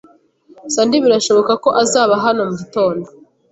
Sandy birashoboka ko azaba hano mugitondo.